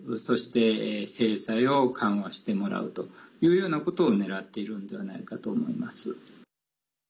そして、制裁を緩和してもらうというようなことをねらっているのではないかと思います。